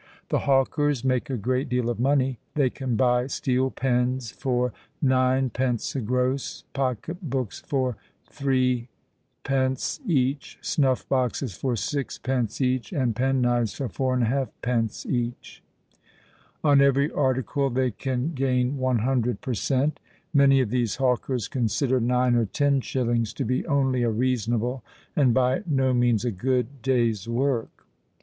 The hawkers make a great deal of money. They can buy steel pens for 9_d._ a gross, pocket books for 3_d._ each, snuff boxes for 6_d._ each, and penknives for 4½_d._ each. On every article they can gain one hundred per cent. Many of these hawkers consider nine or ten shillings to be only a reasonable, and by no means a good, day's work.